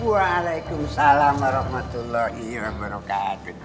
waalaikumsalam warahmatullahi wabarakatuh